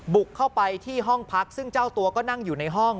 บุกเข้าไปที่ห้องพักซึ่งเจ้าตัวก็นั่งอยู่ในห้อง